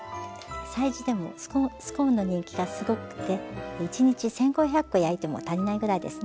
催事でもスコーンの人気がすごくて１日１，５００コ焼いても足りないぐらいですね。